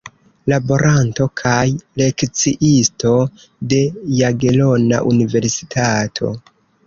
Laboranto kaj lekciisto de Jagelona Universitato.